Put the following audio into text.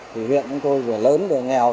thì huyện của tôi vừa lớn vừa nghèo